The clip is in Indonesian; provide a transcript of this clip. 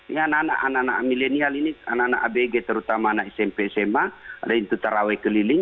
ya anak anak milenial ini anak anak abg terutama anak smp sma ada yang terawih keliling